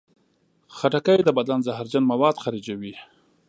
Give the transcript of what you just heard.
خټکی د بدن زهرجن مواد خارجوي.